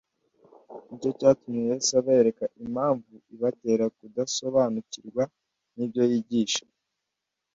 ni cyo cyatumye Yesu abereka impamvu ibatera kudasobanukirwa n'ibyo yigisha.